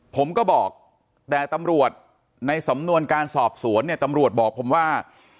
ผมก็บอกแต่ตำรวจในสำนวนการสอบสวนเนี่ยตำรวจบอกผมว่า